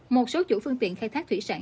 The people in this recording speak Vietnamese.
một số chủ phương tiện khai thác thủy sản